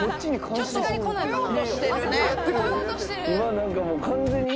今何かもう完全に。